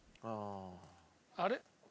あれ？